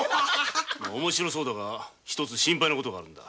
面白そうだがひとつ心配な事があるんだ。